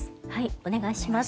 お願いします。